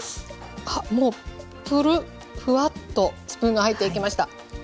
あっもうプルッフワッとスプーンが入っていきました。